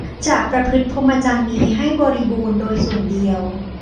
จะประพฤติพรหมจรรย์นี้ให้บริบูรณ์โดยส่วนเดียว